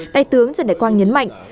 đại tướng trần đại quang nhấn mạnh